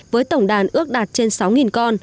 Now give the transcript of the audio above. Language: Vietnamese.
với tổng đàn ước đạt trên sáu con